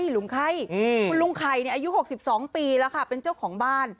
ลุงไข้คุณลุงไข่อายุ๖๒ปีแล้วค่ะเป็นเจ้าของบ้าน